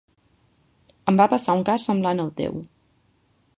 Em va passar un cas semblant al teu.